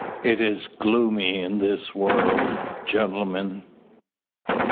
It is gloomy in this world, gentlemen!